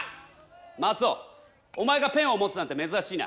マツオお前がペンを持つなんてめずらしいな。